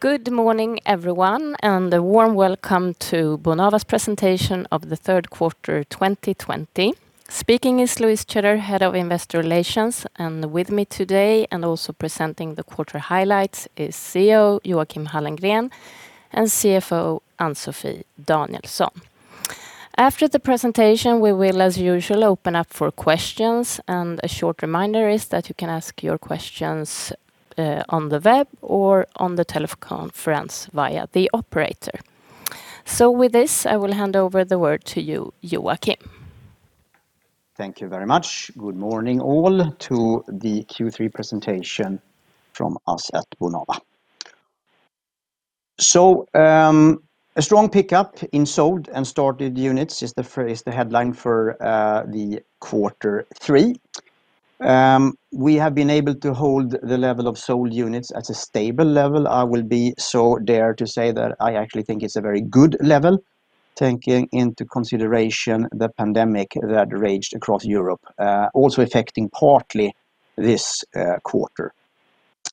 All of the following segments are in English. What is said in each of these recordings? Good morning, everyone. A warm welcome to Bonava's Presentation of the Q3 2020. Speaking is Louise Tjeder, head of investor relations. With me today and also presenting the quarter highlights is CEO Joachim Hallengren and CFO Ann-Sofi Danielsson. After the presentation, we will, as usual, open up for questions. A short reminder is that you can ask your questions on the web or on the teleconference via the operator. With this, I will hand over the word to you, Joachim. Thank you very much. Good morning all to the Q3 Presentation from us at Bonava. A strong pickup in sold and started units is the headline for quarter three. We have been able to hold the level of sold units at a stable level. I will dare to say that I actually think it's a very good level, taking into consideration the pandemic that raged across Europe, also affecting partly this quarter.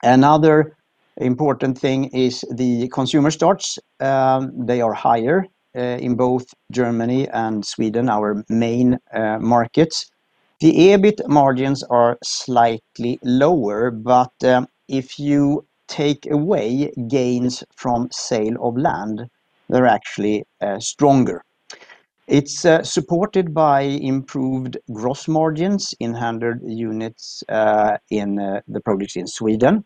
Another important thing is the consumer starts. They are higher in both Germany and Sweden, our main markets. The EBIT margins are slightly lower, but if you take away gains from sale of land, they're actually stronger. It's supported by improved gross margins in handed units in the projects in Sweden.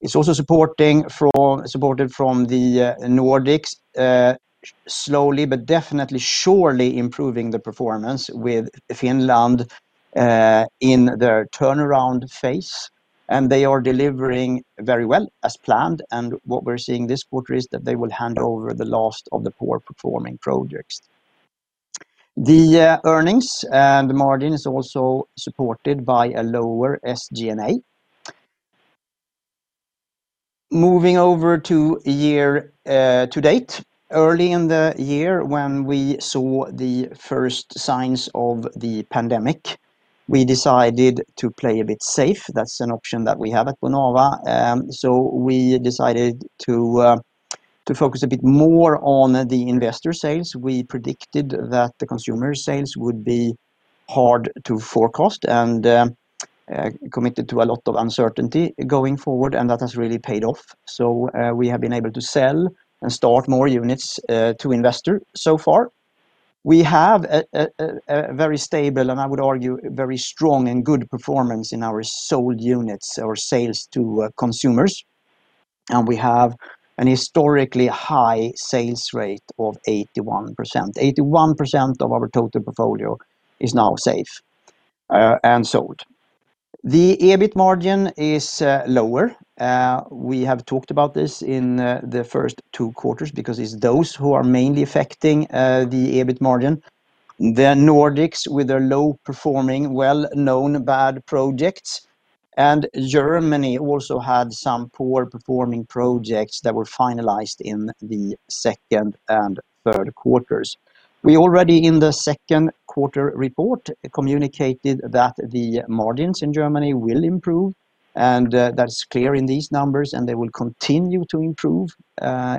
It's also supported from the Nordics, slowly but definitely surely improving the performance with Finland in their turnaround phase. They are delivering very well, as planned, and what we are seeing this quarter is that they will hand over the last of the poor-performing projects. The earnings and the margin is also supported by a lower SG&A. Moving over to year-to-date. Early in the year, when we saw the first signs of the pandemic, we decided to play a bit safe. That's an option that we have at Bonava, so we decided to focus a bit more on the investor sales. We predicted that the consumer sales would be hard to forecast and committed to a lot of uncertainty going forward, and that has really paid off. We have been able to sell and start more units to investors so far. We have a very stable, and I would argue, very strong and good performance in our sold units or sales to consumers. We have a historically high sales rate of 81%. 81% of our total portfolio is now safe and sold. The EBIT margin is lower. We have talked about this in the first two quarters because it's those who are mainly affecting the EBIT margin. The Nordics with their low-performing, well-known bad projects, and Germany also had some poor-performing projects that were finalized in the second and Q3s. We already in the second quarter report communicated that the margins in Germany will improve, and that's clear in these numbers, and they will continue to improve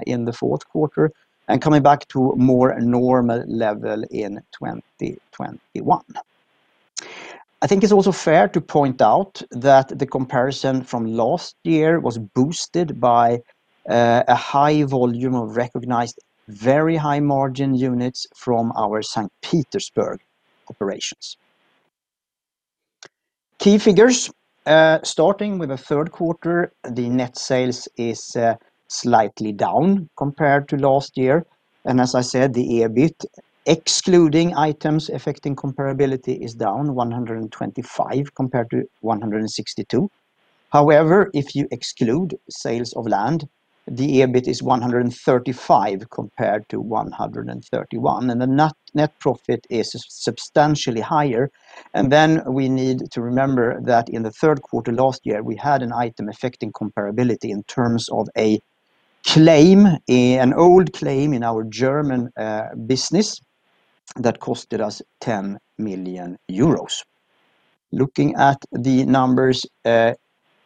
in the Q4 and coming back to more normal level in 2021. I think it's also fair to point out that the comparison from last year was boosted by a high volume of recognized, very high-margin units from our St. Petersburg operations. Key figures. Starting with the Q3, the net sales is slightly down compared to last year. As I said, the EBIT, excluding items affecting comparability, is down 125 compared to 162. However, if you exclude sales of land, the EBIT is 135 compared to 131, and the net profit is substantially higher. We need to remember that in the Q3 last year, we had an item affecting comparability in terms of an old claim in our German business that cost us 10 million euros. Looking at the numbers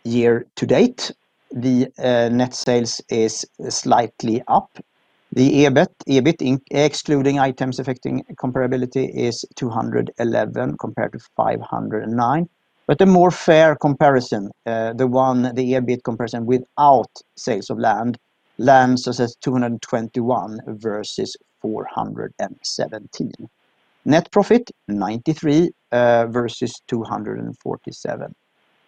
year-to-date, the net sales is slightly up. The EBIT, excluding items affecting comparability, is 211 compared to 509. A more fair comparison, the EBIT comparison without sales of land, lands us at 221 versus 417. Net profit, 93 versus 247.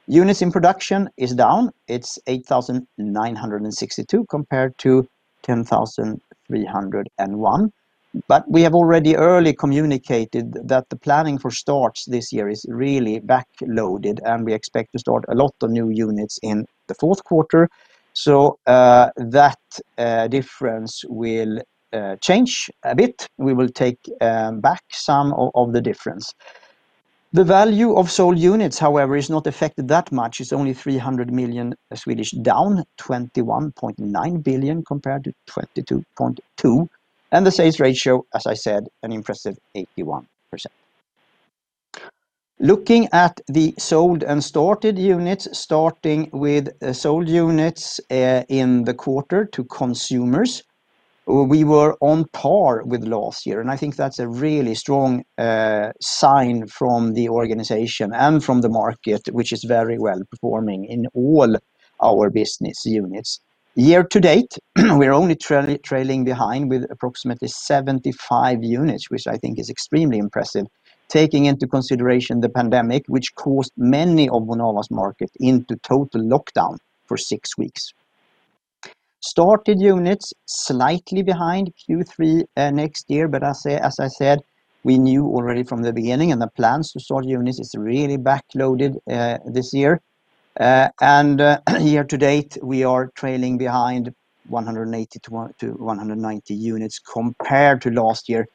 Units in production is down. It's 8,962 compared to 10,301. We have already early communicated that the planning for starts this year is really back-loaded, and we expect to start a lot of new units in the Q4. That difference will change a bit. We will take back some of the difference. The value of sold units, however, is not affected that much. It's only 300 million down, 21.9 billion compared to 22.2 billion. The sales ratio, as I said, an impressive 81%. Looking at the sold and started units, starting with sold units in the quarter to consumers. We were on par with last year, and I think that's a really strong sign from the organization and from the market, which is very well-performing in all our business units. Year to date, we are only trailing behind with approximately 75 units, which I think is extremely impressive, taking into consideration the pandemic, which caused many of Bonava's market into total lockdown for six weeks. Started units slightly behind Q3 next year. As I said, we knew already from the beginning, and the plans to start units is really backloaded this year. Year to date, we are trailing behind 180 to 190 units compared to last year,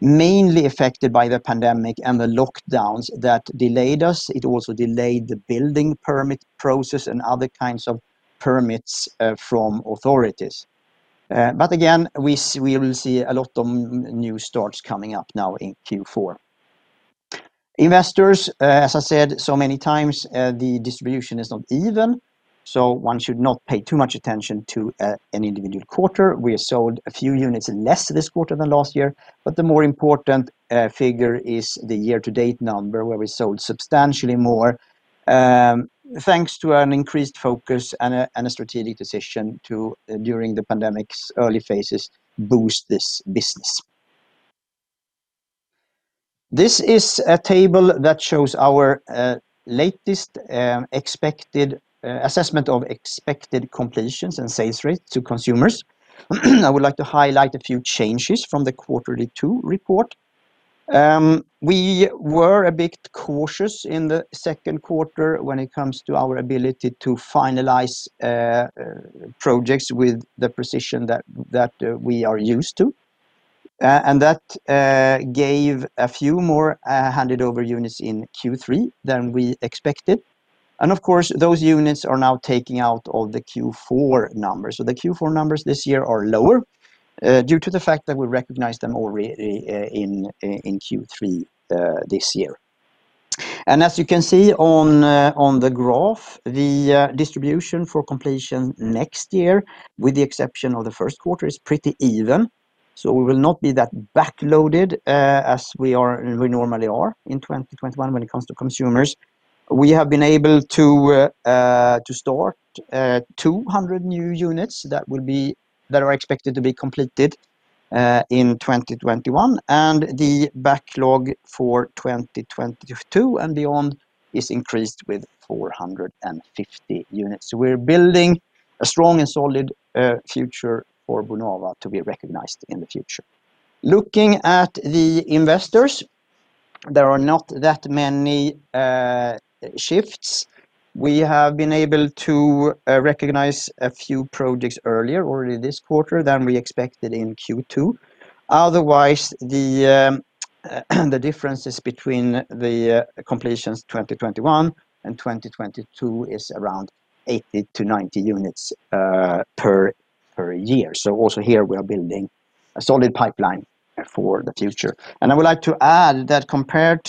mainly affected by the pandemic and the lockdowns that delayed us. It also delayed the building permit process and other kinds of permits from authorities. Again, we will see a lot of new starts coming up now in Q4. Investors, as I said so many times, the distribution is not even. One should not pay too much attention to any individual quarter. We have sold a few units less this quarter than last year, but the more important figure is the year-to-date number, where we sold substantially more, thanks to an increased focus and a strategic decision to, during the pandemic's early phases, boost this business. This is a table that shows our latest assessment of expected completions and sales rate to consumers. I would like to highlight a few changes from the Q2 report. We were a bit cautious in the second quarter when it comes to our ability to finalize projects with the precision that we are used to. That gave a few more handed over units in Q3 than we expected. Of course, those units are now taking out all the Q4 numbers. The Q4 numbers this year are lower due to the fact that we recognized them already in Q3 this year. As you can see on the graph, the distribution for completion next year, with the exception of the first quarter, is pretty even. We will not be that backloaded as we normally are in 2021 when it comes to consumers. We have been able to start 200 new units that are expected to be completed in 2021. The backlog for 2022 and beyond is increased with 450 units. We're building a strong and solid future for Bonava to be recognized in the future. Looking at the investors, there are not that many shifts. We have been able to recognize a few projects earlier already this quarter than we expected in Q2. Otherwise, the differences between the completions 2021 and 2022 is around 80 to 90 units per year. Also here we are building a solid pipeline for the future. I would like to add that compared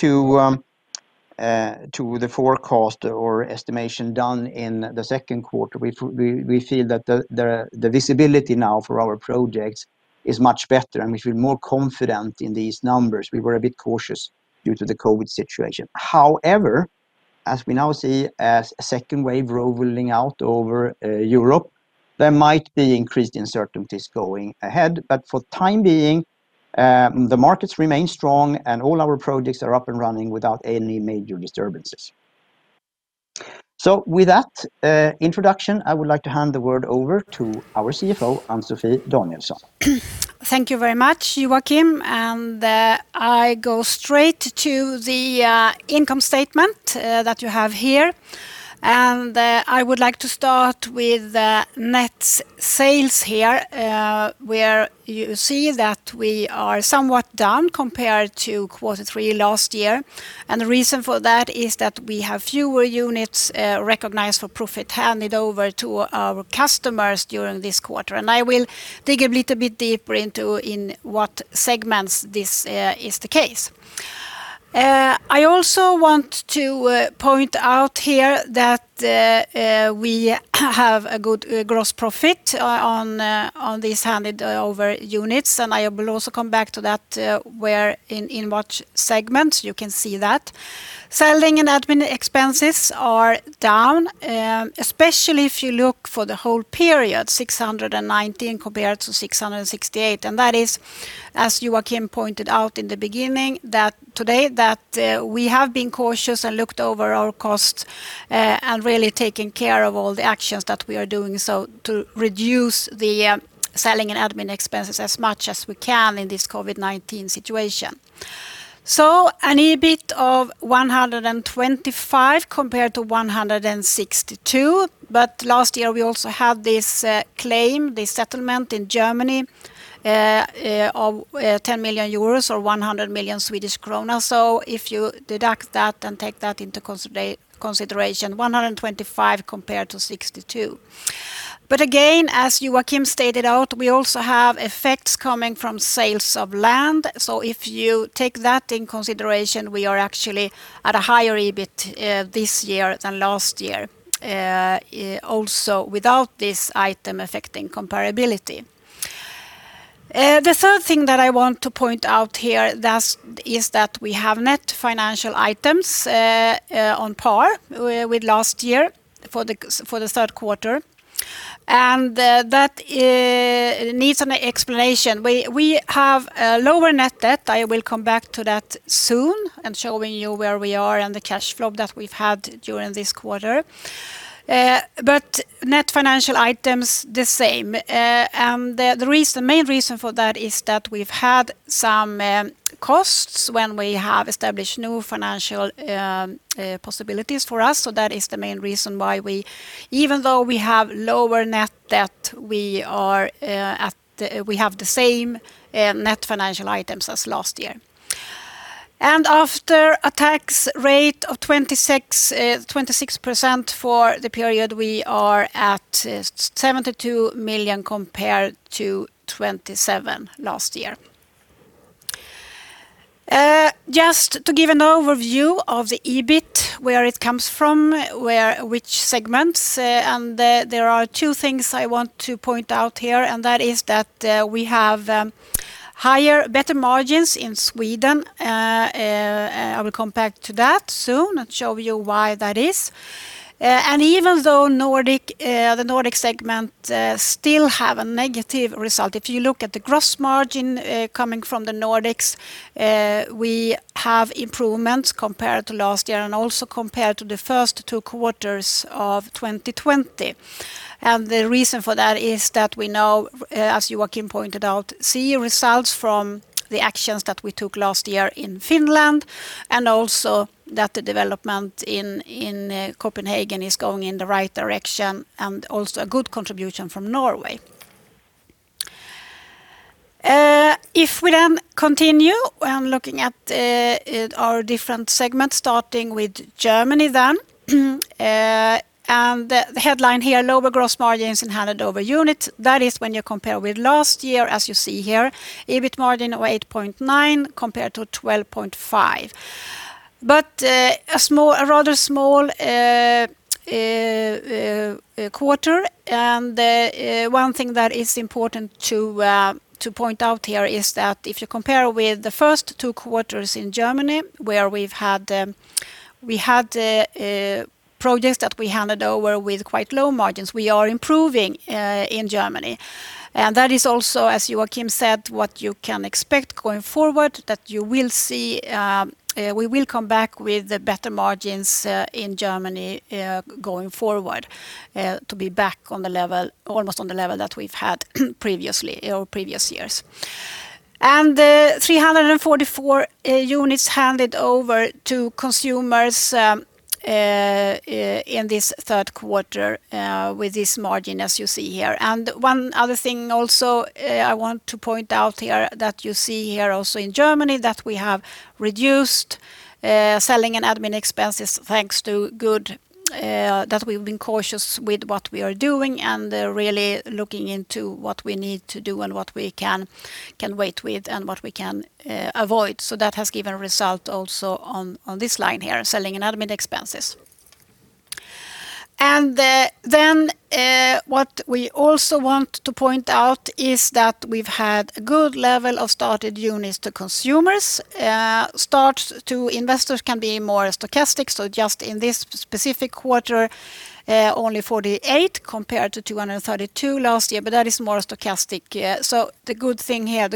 to the forecast or estimation done in the second quarter, we feel that the visibility now for our projects is much better, and we feel more confident in these numbers. We were a bit cautious due to the COVID-19 situation. As we now see a second wave rolling out over Europe, there might be increased uncertainties going ahead, but for the time being, the markets remain strong and all our projects are up and running without any major disturbances. With that introduction, I would like to hand the word over to our CFO, Ann-Sofi Danielsson. Thank you very much, Joachim. I go straight to the income statement that you have here. I would like to start with net sales here, where you see that we are somewhat down compared to Q3 last year. The reason for that is that we have fewer units recognized for profit handed over to our customers during this quarter. I will dig a little bit deeper into in what segments this is the case. I also want to point out here that we have a good gross profit on these handed over units, and I will also come back to that where in what segments you can see that. Selling and admin expenses are down, especially if you look for the whole period, 619 compared to 668. That is, as Joachim pointed out in the beginning, that today that we have been cautious and looked over our costs and really taken care of all the actions that we are doing, to reduce the selling and admin expenses as much as we can in this COVID-19 situation. An EBIT of 125 compared to 162. Last year, we also had this claim, this settlement in Germany of 10 million euros or 100 million Swedish krona. If you deduct that and take that into consideration, 125 compared to 62. Again, as Joachim stated, we also have effects coming from sales of land. If you take that into consideration, we are actually at a higher EBIT this year than last year, also without this item affecting comparability. The third thing that I want to point out here, is that we have net financial items on par with last year for the Q3. That needs an explanation. We have a lower net debt. I will come back to that soon, and show you where we are and the cash flow that we've had during this quarter. Net financial items, the same. The main reason for that is that we've had some costs when we have established new financial possibilities for us. That is the main reason why, even though we have lower net debt, we have the same net financial items as last year. After a tax rate of 26% for the period, we are at 72 million compared to 27 last year. Just to give an overview of the EBIT, where it comes from, which segments. There are two things I want to point out here, and that is that we have better margins in Sweden. I will come back to that soon and show you why that is. Even though the Nordics segment still have a negative result. If you look at the gross margin coming from the Nordics, we have improvements compared to last year and also compared to the first two quarters of 2020. The reason for that is that we now, as Joachim pointed out, see results from the actions that we took last year in Finland, and also that the development in Copenhagen is going in the right direction, and also a good contribution from Norway. If we then continue looking at our different segments, starting with Germany then. The headline here, lower gross margins in handed over units. That is when you compare with last year, as you see here, EBIT margin of 8.9% compared to 12.5%. A rather small quarter. One thing that is important to point out here is that if you compare with the first two quarters in Germany, where we had projects that we handed over with quite low margins. We are improving in Germany. That is also, as Joachim said, what you can expect going forward, that we will come back with the better margins in Germany going forward. To be back almost on the level that we've had in previous years. 344 units handed over to consumers in this Q3 with this margin, as you see here. One other thing also I want to point out here that you see here also in Germany, that we have reduced selling and admin expenses. Thanks to that we've been cautious with what we are doing, and really looking into what we need to do and what we can wait with and what we can avoid. That has given result also on this line here, selling and admin expenses. What we also want to point out is that we've had good level of started units to consumers. Start to investors can be more stochastic. Just in this specific quarter, only 48 compared to 232 last year, but that is more stochastic. The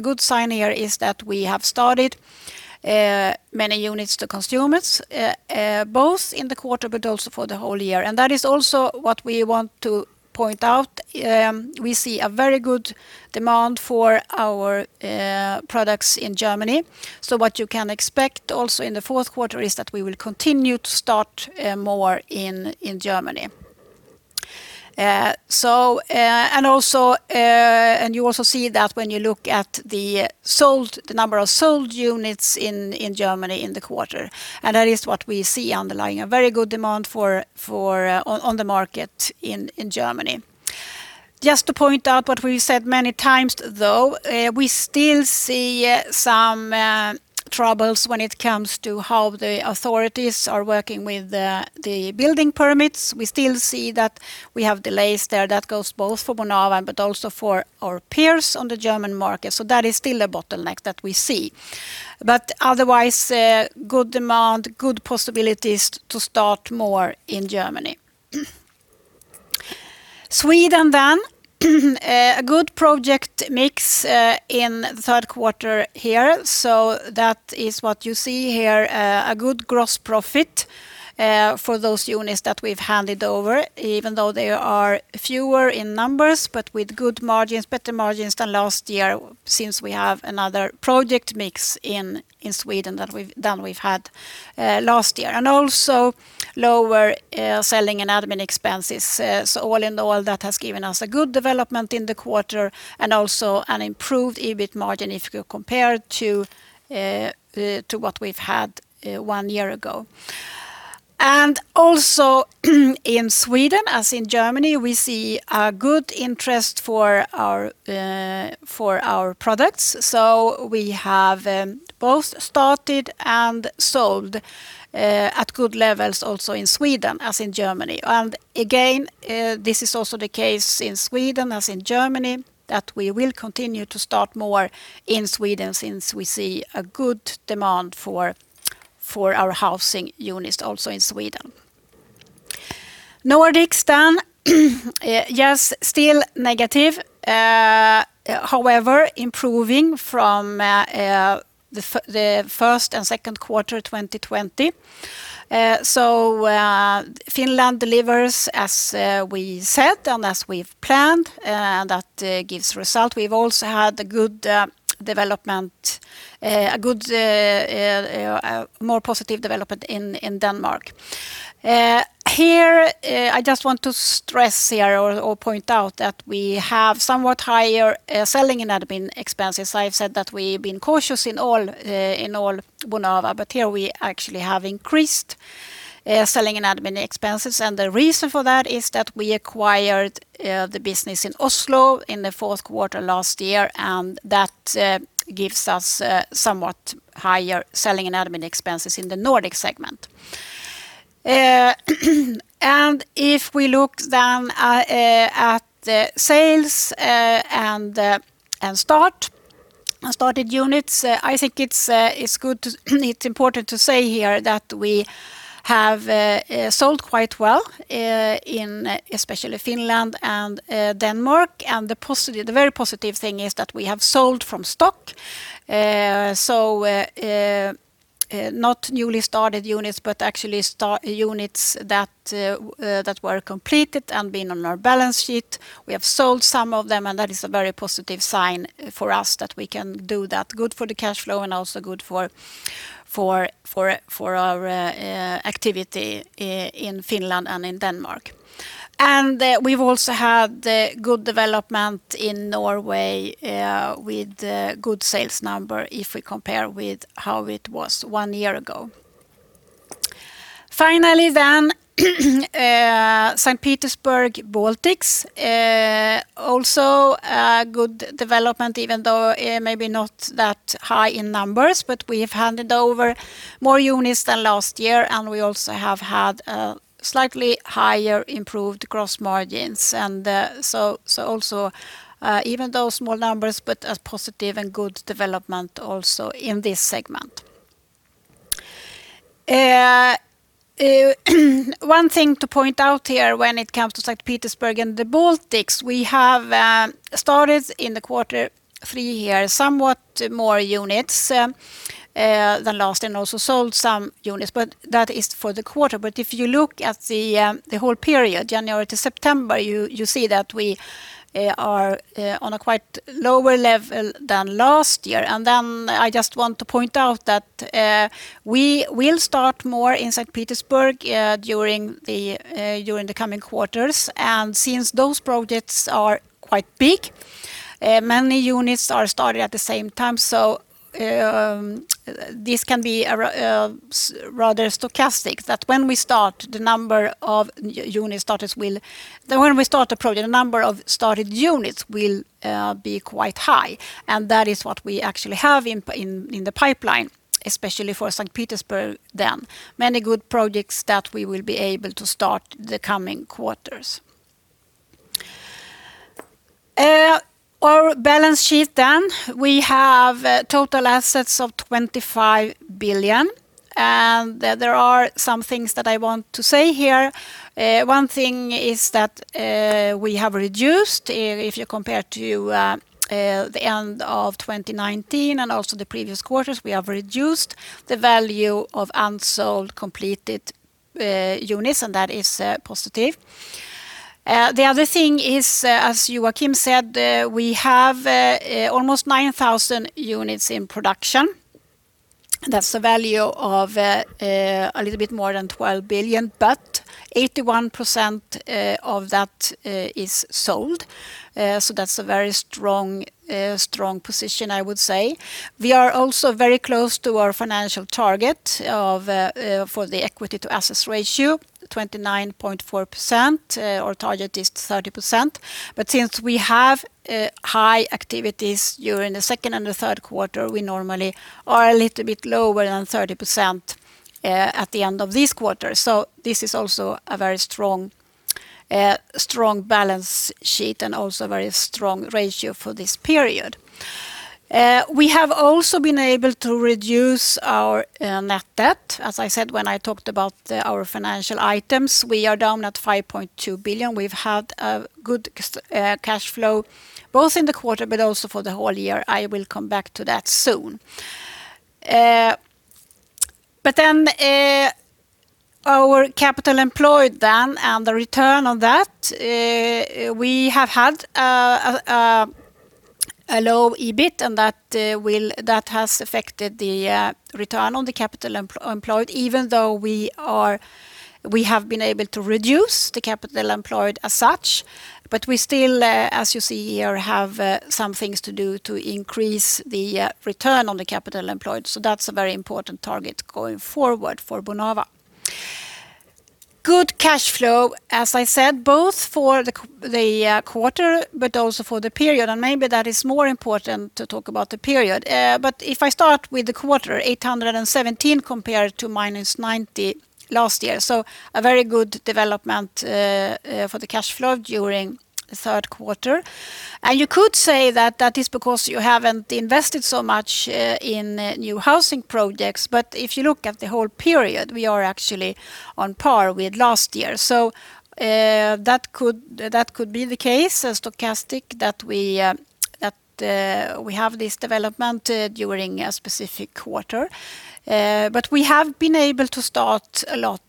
good sign here is that we have started many units to consumers, both in the quarter, but also for the whole year. That is also what we want to point out. We see a very good demand for our products in Germany. What you can expect also in the Q4 is that we will continue to start more in Germany. You also see that when you look at the number of sold units in Germany in the quarter. That is what we see underlying, a very good demand on the market in Germany. Just to point out what we've said many times, though, we still see some troubles when it comes to how the authorities are working with the building permits. We still see that we have delays there. That goes both for Bonava, but also for our peers on the German market. That is still a bottleneck that we see. Otherwise, good demand, good possibilities to start more in Germany. Sweden, then. A good project mix in the Q3 here. That is what you see here, a good gross profit for those units that we've handed over. Even though they are fewer in numbers, but with good margins, better margins than last year, since we have another project mix in Sweden than we've had last year. Also lower selling and admin expenses. All in all, that has given us a good development in the quarter and also an improved EBIT margin if you compare to what we've had one year ago. Also in Sweden, as in Germany, we see a good interest for our products. We have both started and sold at good levels also in Sweden as in Germany. Again, this is also the case in Sweden as in Germany, that we will continue to start more in Sweden since we see a good demand for our housing units also in Sweden. Nordics. Yes, still negative. However, improving from the first and second quarter 2020. Finland delivers as we said and as we've planned, that gives result. We've also had a good, more positive development in Denmark. Here, I just want to stress here or point out that we have somewhat higher selling and admin expenses. I've said that we've been cautious in all Bonava, but here we actually have increased selling and admin expenses. The reason for that is that we acquired the business in Oslo in the Q4 last year, and that gives us somewhat higher selling and admin expenses in the Nordics segment. If we look then at the sales and started units, I think it's important to say here that we have sold quite well in especially Finland and Denmark. The very positive thing is that we have sold from stock. Not newly started units, but actually units that were completed and been on our balance sheet. We have sold some of them, and that is a very positive sign for us that we can do that. Good for the cash flow and also good for our activity in Finland and in Denmark. We've also had good development in Norway with good sales number if we compare with how it was one year ago. Saint Petersburg, Baltics. A good development, even though maybe not that high in numbers, but we have handed over more units than last year, and we also have had slightly higher improved gross margins. Even though small numbers, but a positive and good development also in this segment. One thing to point out here when it comes to Saint Petersburg and the Baltics, we have started in the Q3 here, somewhat more units than last, and also sold some units, but that is for the quarter. If you look at the whole period, January to September, you see that we are on a quite lower level than last year. I just want to point out that we will start more in Saint Petersburg during the coming quarters. Since those projects are quite big, many units are started at the same time. This can be rather stochastic, that when we start a project, the number of started units will be quite high. That is what we actually have in the pipeline, especially for Saint Petersburg then. Many good projects that we will be able to start the coming quarters. Our balance sheet. We have total assets of 25 billion. There are some things that I want to say here. One thing is that we have reduced, if you compare to the end of 2019 and also the previous quarters, we have reduced the value of unsold completed units, and that is positive. The other thing is, as you, Joachim, said, we have almost 9,000 units in production. That's the value of a little bit more than 12 billion, 81% of that is sold. That's a very strong position, I would say. We are also very close to our financial target for the equity to assets ratio, 29.4%. Our target is 30%, since we have high activities during the second and the Q3, we normally are a little bit lower than 30% at the end of this quarter. This is also a very strong balance sheet and also a very strong ratio for this period. We have also been able to reduce our net debt. As I said when I talked about our financial items, we are down at 5.2 billion. We've had a good cash flow both in the quarter but also for the whole year. I will come back to that soon. Our capital employed, and the return on that, we have had a low EBIT, and that has affected the return on the capital employed, even though We have been able to reduce the capital employed as such, but we still, as you see here, have some things to do to increase the return on the capital employed. That's a very important target going forward for Bonava. Good cash flow, as I said, both for the quarter but also for the period. Maybe that is more important to talk about the period. If I start with the quarter, 817 compared to -90 last year. A very good development for the cash flow during the Q3. You could say that is because you haven't invested so much in new housing projects. If you look at the whole period, we are actually on par with last year. That could be the case, stochastic, that we have this development during a specific quarter. We have been able to start a lot.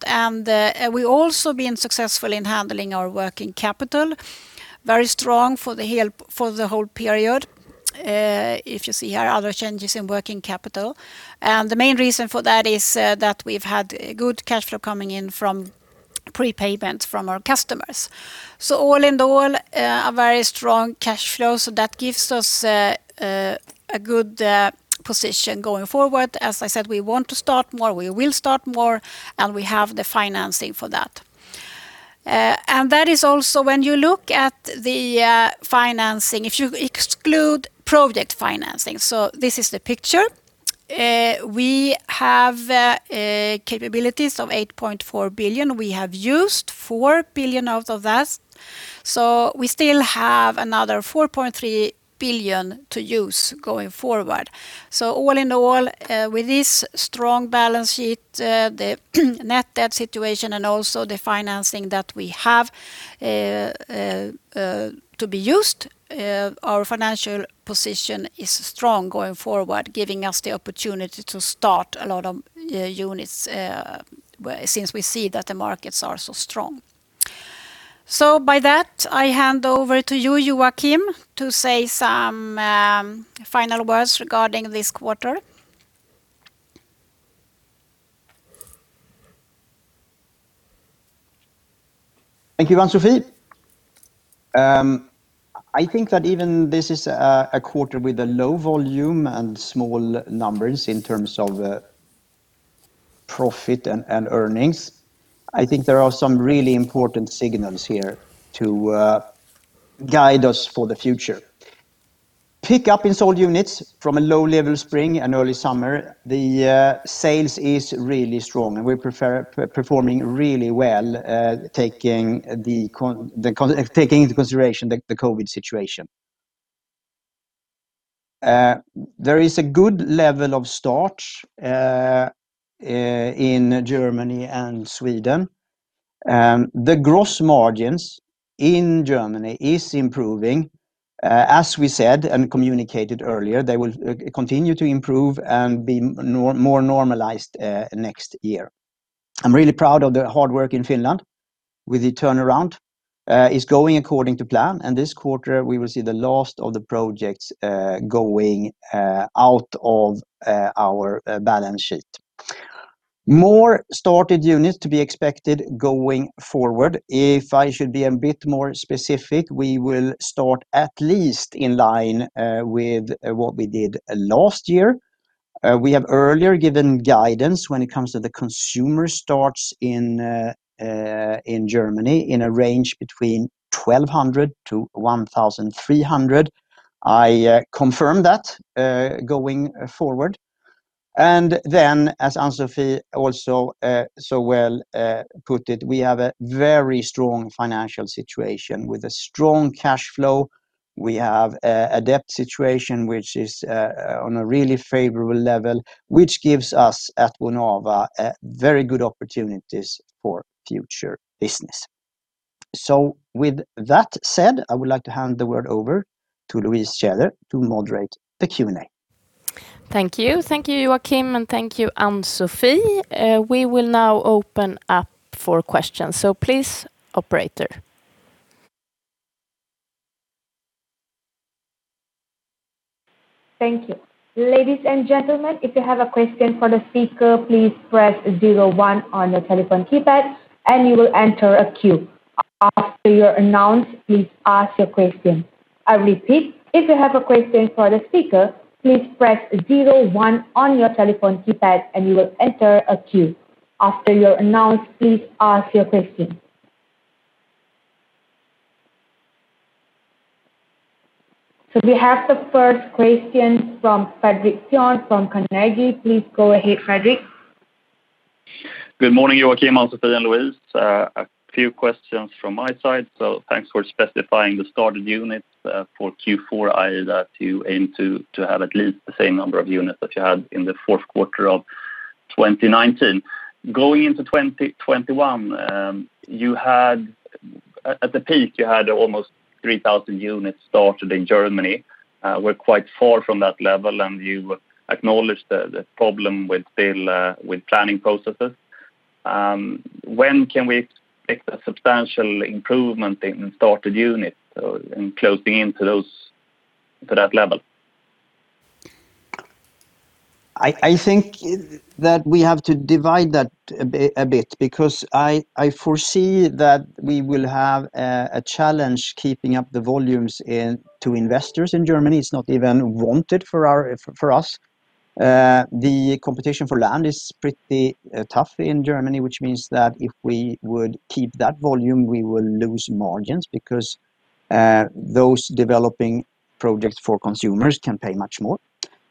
We've also been successful in handling our working capital. Very strong for the whole period, if you see here, other changes in working capital. The main reason for that is that we've had good cash flow coming in from prepayments from our customers. All in all, a very strong cash flow. That gives us a good position going forward. As I said, we want to start more, we will start more, and we have the financing for that. That is also when you look at the financing, if you exclude project financing. This is the picture. We have capabilities of 8.4 billion. We have used 4 billion out of that. We still have another 4.3 billion to use going forward. All in all, with this strong balance sheet, the net debt situation, and also the financing that we have to be used, our financial position is strong going forward, giving us the opportunity to start a lot of units since we see that the markets are so strong. With that, I hand over to you, Joachim, to say some final words regarding this quarter. Thank you, Ann-Sofi. I think that even this is a quarter with a low volume and small numbers in terms of profit and earnings. I think there are some really important signals here to guide us for the future. Pick up in sold units from a low level spring and early summer, the sales is really strong, and we're performing really well, taking into consideration the COVID situation. There is a good level of start in Germany and Sweden. The gross margins in Germany is improving. As we said and communicated earlier, they will continue to improve and be more normalized next year. I'm really proud of the hard work in Finland with the turnaround. It's going according to plan, and this quarter we will see the last of the projects going out of our balance sheet. More started units to be expected going forward. If I should be a bit more specific, we will start at least in line with what we did last year. We have earlier given guidance when it comes to the consumer starts in Germany in a range between 1,200 to 1,300. I confirm that going forward. Then as Ann-Sofi also so well put it, we have a very strong financial situation with a strong cash flow. We have a debt situation which is on a really favorable level, which gives us at Bonava very good opportunities for future business. With that said, I would like to hand the word over to Louise Tjeder to moderate the Q&A. Thank you. Thank you, Joachim, and thank you, Ann-Sofi. We will now open up for questions. Please, operator. Thank you. Ladies and gentlemen, if you have a question for the speaker, please press zero one on your telephone keypad, and you will enter a queue. After you're announced, please ask your question. I repeat, if you have a question for the speaker, please press zero one on your telephone keypad, and you will enter a queue. After you're announced, please ask your question. We have the first question from Fredrik Cyon from Carnegie. Please go ahead, Fredrik. Good morning, Joachim, Ann-Sofi, and Louise. A few questions from my side. Thanks for specifying the started units for Q4. I heard that you aim to have at least the same number of units that you had in the Q4 of 2019. Going into 2021, at the peak, you had almost 3,000 units started in Germany. We're quite far from that level, and you acknowledged the problem with planning processes. When can we expect a substantial improvement in started units and closing in to that level? I think that we have to divide that a bit because I foresee that we will have a challenge keeping up the volumes to investors in Germany. It's not even wanted for us. The competition for land is pretty tough in Germany, which means that if we would keep that volume, we will lose margins because those developing projects for consumers can pay much more.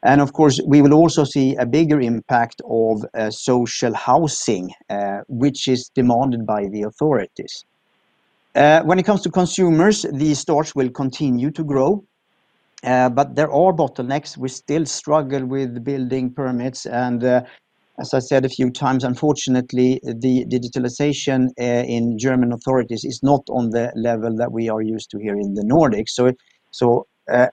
Of course, we will also see a bigger impact of social housing, which is demanded by the authorities. When it comes to consumers, these sales will continue to grow, but there are bottlenecks. We still struggle with building permits and as I said a few times, unfortunately, the digitalization in German authorities is not on the level that we are used to here in the Nordics.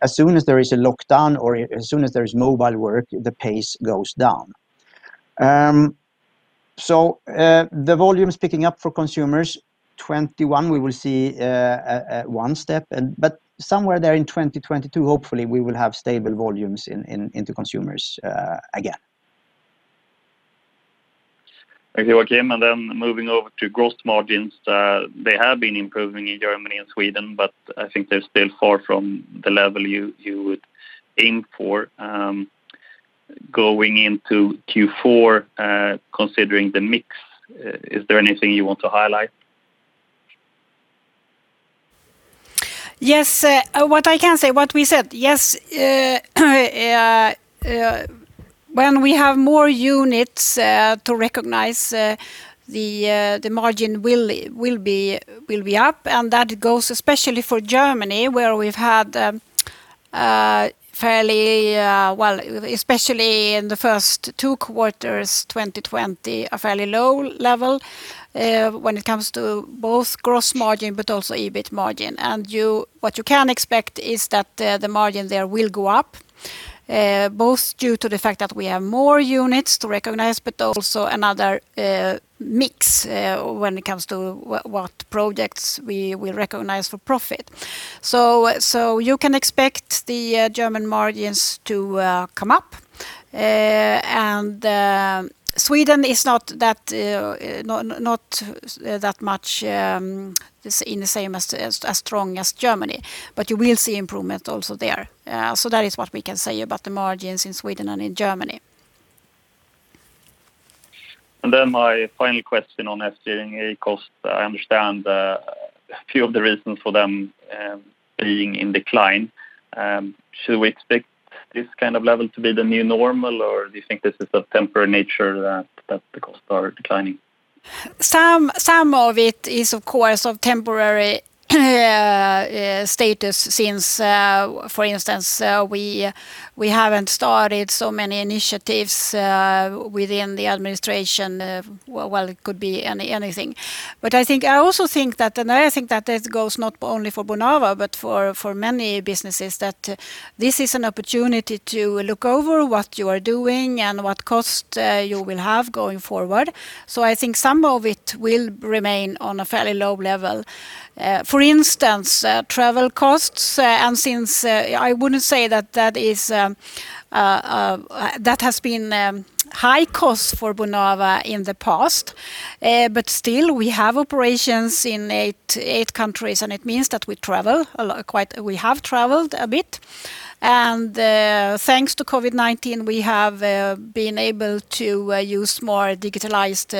As soon as there is a lockdown or as soon as there is mobile work, the pace goes down. The volume is picking up for consumers. 2021, we will see one step, but somewhere there in 2022, hopefully we will have stable volumes into consumers again. Thank you, Joachim. Moving over to gross margins. They have been improving in Germany and Sweden, but I think they're still far from the level you would aim for going into Q4 considering the mix. Is there anything you want to highlight? Yes. What I can say, what we said. When we have more units to recognize, the margin will be up. That goes especially for Germany, where we've had, especially in the first two quarters 2020, a fairly low level when it comes to both gross margin but also EBIT margin. What you can expect is that the margin there will go up, both due to the fact that we have more units to recognize, but also another mix when it comes to what projects we recognize for profit. You can expect the German margins to come up. Sweden is not that strong as Germany, but you will see improvement also there. That is what we can say about the margins in Sweden and in Germany. My final question on SG&A costs. I understand a few of the reasons for them being in decline. Should we expect this kind of level to be the new normal, or do you think this is of temporary nature that the costs are declining? Some of it is of course of temporary status since, for instance, we haven't started so many initiatives within the administration. Well, it could be anything. I also think that this goes not only for Bonava but for many businesses, that this is an opportunity to look over what you are doing and what cost you will have going forward. I think some of it will remain on a fairly low level, for instance, travel costs, since I wouldn't say that has been high cost for Bonava in the past. Still, we have operations in eight countries, and it means that we travel a lot, we have traveled a bit. Thanks to COVID-19, we have been able to use more digitalized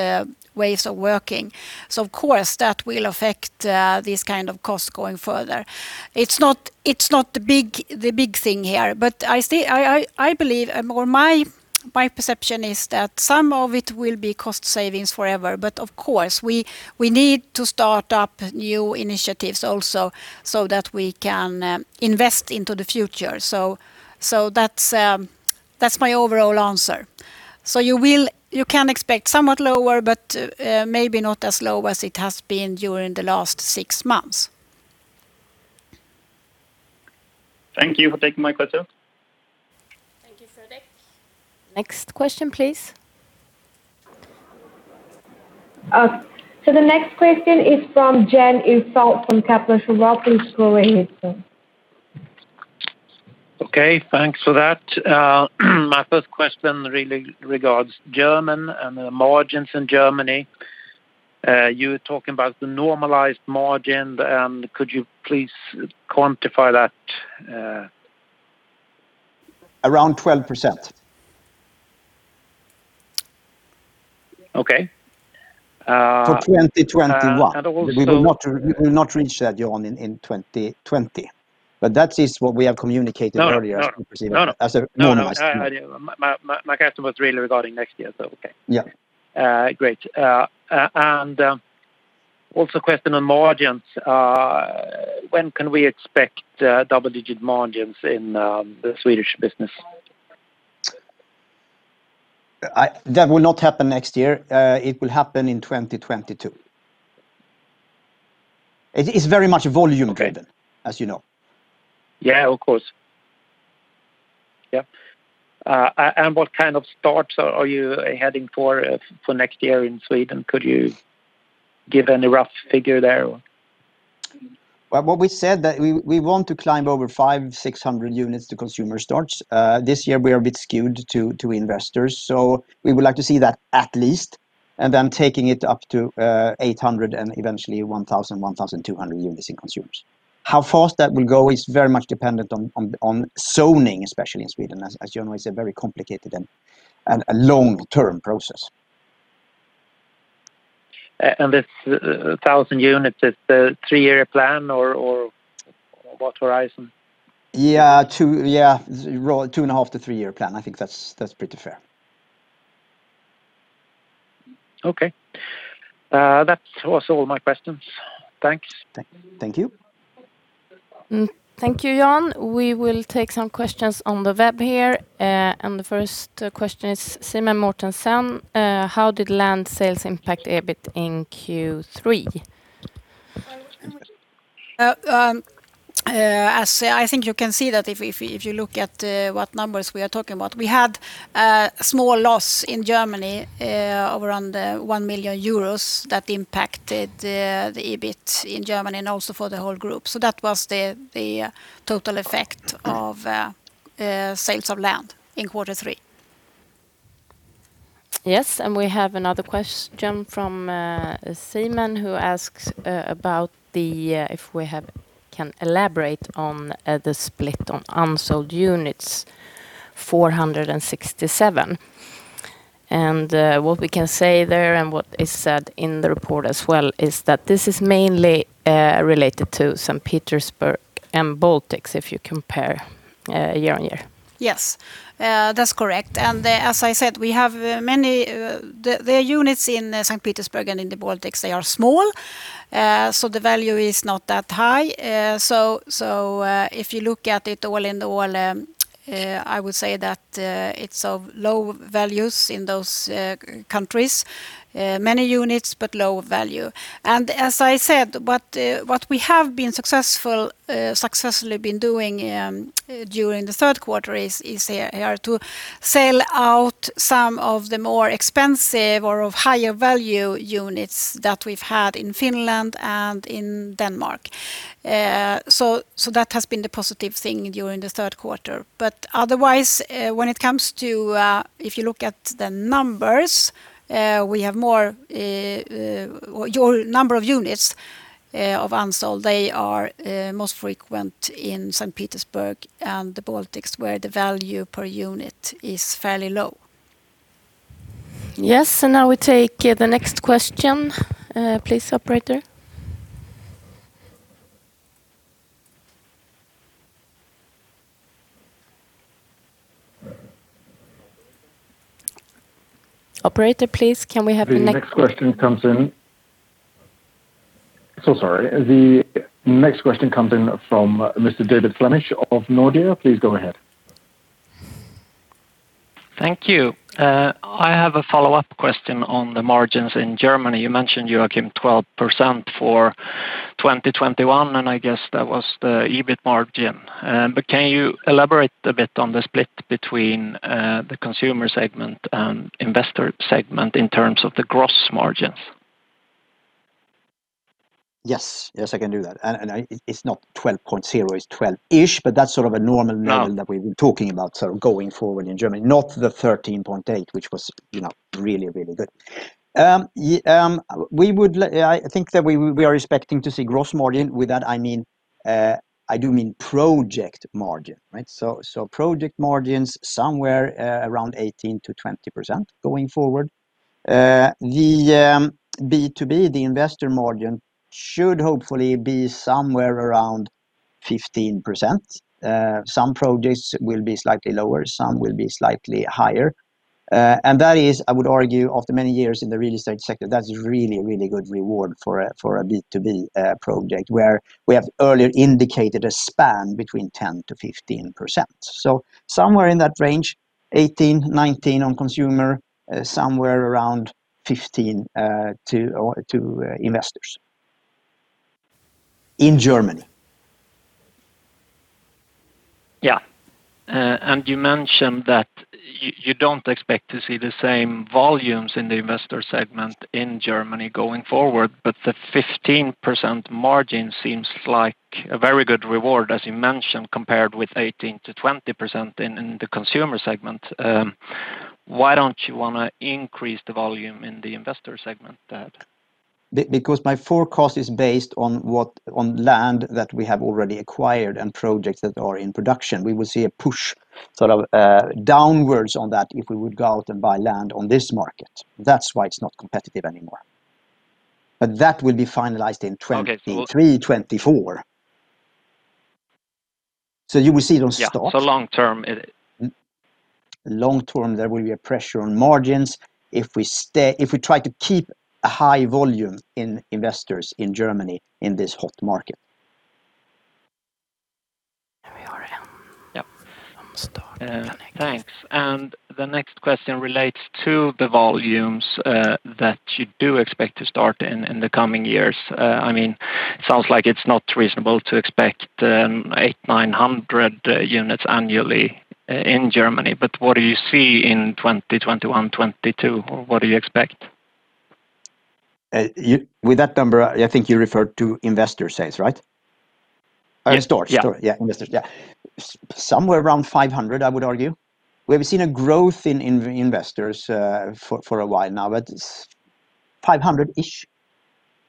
ways of working. Of course, that will affect these kind of costs going further. It's not the big thing here. My perception is that some of it will be cost savings forever. Of course, we need to start up new initiatives also so that we can invest into the future. That's my overall answer. You can expect somewhat lower, but maybe not as low as it has been during the last six months. Thank you for taking my question. Thank you, Fredrik. Next question, please. The next question is from Jan Ihrfelt from Kepler Cheuvreux. Welcome to go ahead, sir. Okay, thanks for that. My first question really regards German and the margins in Germany. You were talking about the normalized margin. Could you please quantify that? Around 12%. Okay. For 2021. We will not reach that, Jan, in 2020. That is what we have communicated earlier as you perceive it, as a normalized. No, I know. My question was really regarding next year. Okay. Yeah. Great. Also question on margins. When can we expect double-digit margins in the Swedish business? That will not happen next year. It will happen in 2022. It's very much volume-driven, as you know. Yeah, of course. What kind of starts are you heading for next year in Sweden? Could you give any rough figure there? Well, we said that we want to climb over 500, 600 units to consumer starts. This year we are a bit skewed to investors, so we would like to see that at least, and then taking it up to 800 and eventually 1,000, 1,200 units in consumers. How fast that will go is very much dependent on zoning, especially in Sweden, as you know, it's a very complicated and a long-term process. This 1,000 units is the three-year plan or what horizon? Yeah, raw two and a half to three-year plan. I think that's pretty fair. Okay. That was all my questions. Thanks. Thank you. Thank you, Jan. We will take some questions on the web here. The first question is Simen Mortensen. How did land sales impact EBIT in Q3? As I think you can see that if you look at what numbers we are talking about, we had a small loss in Germany, around 1 million euros that impacted the EBIT in Germany and also for the whole group. That was the total effect of sales of land in quarter three. Yes, we have another question from Simen who asks about if we can elaborate on the split on unsold units, 467. What we can say there and what is said in the report as well is that this is mainly related to St. Petersburg and Baltics if you compare year-on-year. Yes. That's correct. As I said, the units in St. Petersburg and in the Baltics, they are small, so the value is not that high. If you look at it all in all, I would say that it's of low values in those countries. Many units, low value. As I said, what we have successfully been doing during the Q3 is to sell out some of the more expensive or of higher value units that we've had in Finland and in Denmark. That has been the positive thing during the Q3. Otherwise, when it comes to if you look at the numbers, your number of units of unsold, they are most frequent in St. Petersburg and the Baltics, where the value per unit is fairly low. Yes, now we take the next question. Please, operator. Operator, please. The next question comes in. Sorry. The next question comes in from Mr. David Flemmich of Nordea. Please go ahead. Thank you. I have a follow-up question on the margins in Germany. You mentioned, Joachim, 12% for 2021, and I guess that was the EBIT margin. Can you elaborate a bit on the split between the consumer segment and investor segment in terms of the gross margins? Yes, I can do that. It's not 12.0, it's 12-ish, but that's sort of a normal level that we've been talking about going forward in Germany. Not the 13.8, which was really good. I think that we are expecting to see gross margin. With that, I do mean project margin, right? Project margins somewhere around 18%-20% going forward. The B2B, the investor margin should hopefully be somewhere around 15%. Some projects will be slightly lower, some will be slightly higher. That is, I would argue, after many years in the real estate sector, that's really good reward for a B2B project where we have earlier indicated a span between 10%-15%. Somewhere in that range, 18%, 19% on consumer, somewhere around 15% to investors in Germany. Yeah. You mentioned that you don't expect to see the same volumes in the investor segment in Germany going forward, but the 15% margin seems like a very good reward, as you mentioned, compared with 18%-20% in the consumer segment. Why don't you want to increase the volume in the investor segment? My forecast is based on land that we have already acquired and projects that are in production. We will see a push downwards on that if we would go out and buy land on this market. That's why it's not competitive anymore. That will be finalized in 2023, 2024. You will see those stocks. Yeah. Long term it is. Long term, there will be a pressure on margins if we try to keep a high volume in investors in Germany in this hot market. Yes. Thanks. The next question relates to the volumes that you do expect to start in the coming years. It sounds like it's not reasonable to expect 800, 900 units annually in Germany, but what do you see in 2021, 2022? What do you expect? With that number, I think you referred to investor sales, right? Yes. Store investor. Somewhere around 500, I would argue. We have seen a growth in investors for a while now, but it's 500-ish.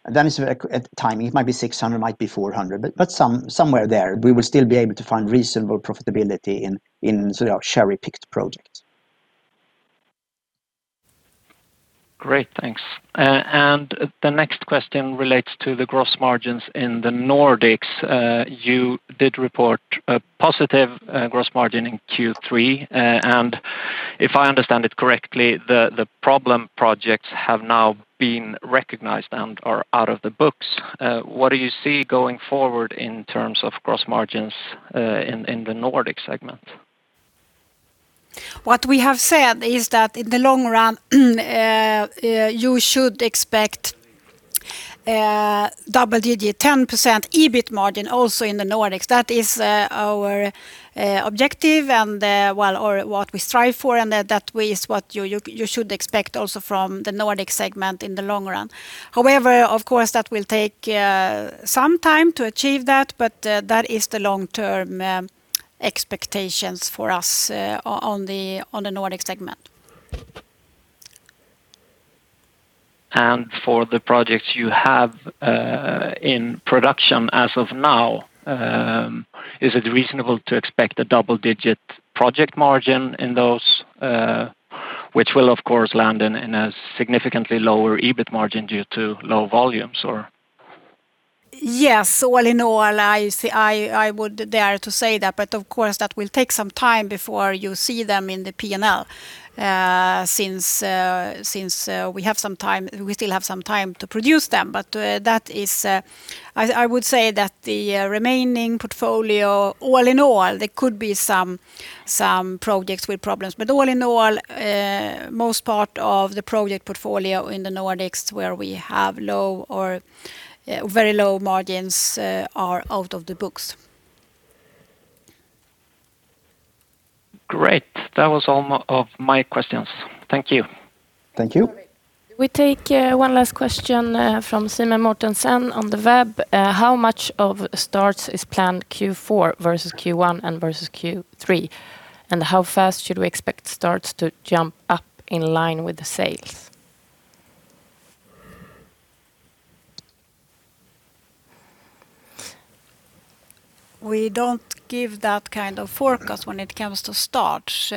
That is at the time. It might be 600, might be 400, but somewhere there. We will still be able to find reasonable profitability in cherry-picked projects. Great. Thanks. The next question relates to the gross margins in the Nordics. You did report a positive gross margin in Q3. If I understand it correctly, the problem projects have now been recognized and are out of the books. What do you see going forward in terms of gross margins in the Nordics segment? What we have said is that in the long run, you should expect double-digit 10% EBIT margin also in the Nordics. That is our objective, and what we strive for, and that is what you should expect also from the Nordics segment in the long run. However, of course, that will take some time to achieve that, but that is the long-term expectations for us on the Nordics segment. For the projects you have in production as of now, is it reasonable to expect a double-digit project margin in those, which will, of course, land in a significantly lower EBIT margin due to low volumes, or? Yes. All in all, I would dare to say that, but of course, that will take some time before you see them in the P&L since we still have some time to produce them. I would say that the remaining portfolio, all in all, there could be some projects with problems. All in all, most part of the project portfolio in the Nordics where we have low or very low margins are out of the books. Great. That was all of my questions. Thank you. Thank you. We take one last question from Simen Mortensen on the web. How much of the starts is planned Q4 versus Q1 and versus Q3? How fast should we expect starts to jump up in line with the sales? We don't give that kind of forecast when it comes to starts.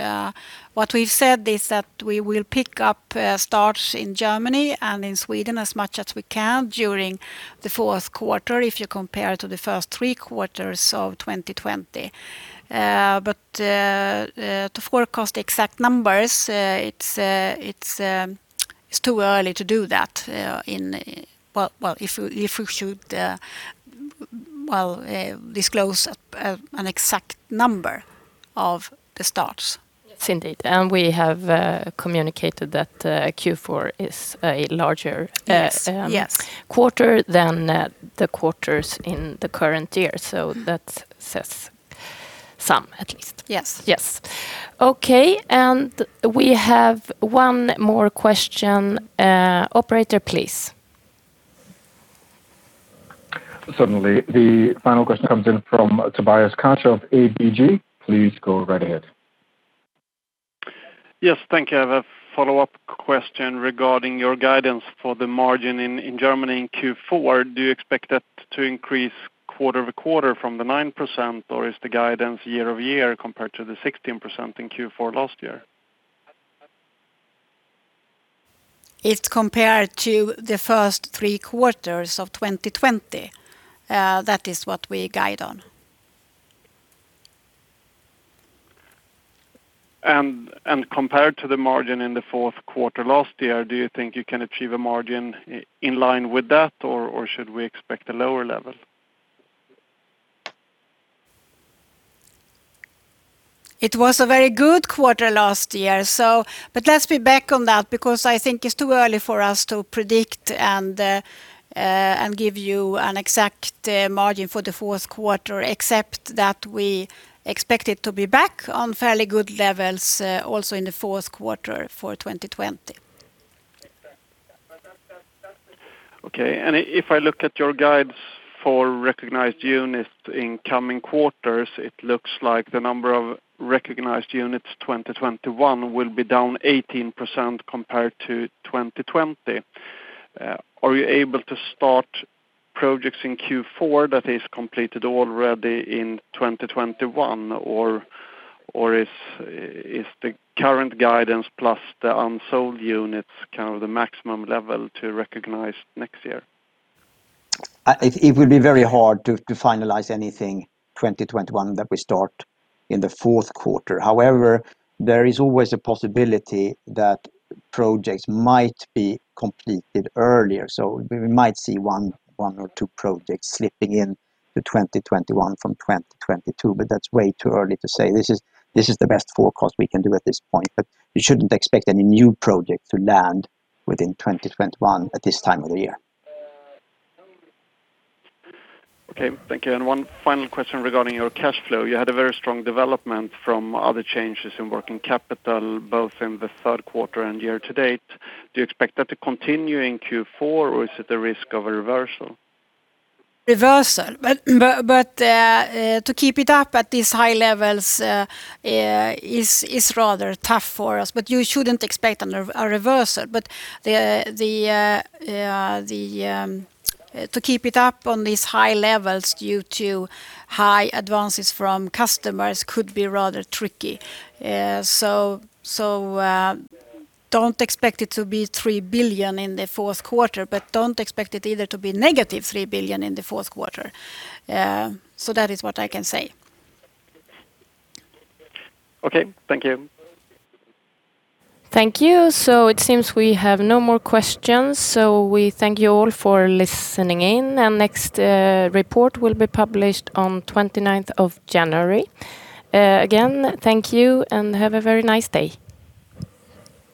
What we've said is that we will pick up starts in Germany and in Sweden as much as we can during the Q4 if you compare to the first three quarters of 2020. To forecast the exact numbers, it's too early to do that if we should disclose an exact number of the starts. Yes, indeed. We have communicated that Q4 is a larger. Yes. Quarter than the quarters in the current year. That says some at least. Yes. Yes. Okay. We have one more question. Operator, please. Certainly. The final question comes in from Tobias Kantsche of ABG. Please go right ahead. Yes. Thank you. I have a follow-up question regarding your guidance for the margin in Germany in Q4. Do you expect that to increase quarter-over-quarter from the 9%, or is the guidance year-over-year compared to the 16% in Q4 last year? It's compared to the first three quarters of 2020. That is what we guide on. Compared to the margin in the Q4 last year, do you think you can achieve a margin in line with that, or should we expect a lower level? It was a very good quarter last year. Let's be back on that because I think it's too early for us to predict and give you an exact margin for the Q4, except that we expect it to be back on fairly good levels also in the Q4 for 2020. Okay. If I look at your guides for recognized units in coming quarters, it looks like the number of recognized units 2021 will be down 18% compared to 2020. Are you able to start projects in Q4 that is completed already in 2021? Or is the current guidance plus the unsold units the maximum level to recognize next year? It would be very hard to finalize anything 2021 that we start in the Q4. However, there is always a possibility that projects might be completed earlier. We might see one or two projects slipping in to 2021 from 2022, but that's way too early to say. This is the best forecast we can do at this point. You shouldn't expect any new project to land within 2021 at this time of the year. Okay. Thank you. One final question regarding your cash flow. You had a very strong development from other changes in working capital, both in the Q3 and year to date. Do you expect that to continue in Q4, or is it a risk of a reversal? Reversal. To keep it up at these high levels is rather tough for us. You shouldn't expect a reversal. To keep it up on these high levels due to high advances from customers could be rather tricky. Don't expect it to be SEK 3 billion in the Q4, but don't expect it either to be negative 3 billion in the Q4. That is what I can say. Okay. Thank you. Thank you. It seems we have no more questions. We thank you all for listening in. Our next report will be published on 29th of January. Again, thank you and have a very nice day.